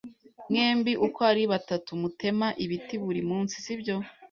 Mwembi uko ari batatu mutema ibiti buri munsi, sibyo?